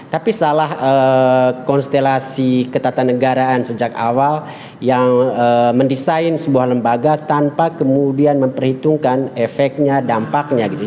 tapi salah konstelasi ketatanegaraan sejak awal yang mendesain sebuah lembaga tanpa kemudian memperhitungkan efeknya dampaknya gitu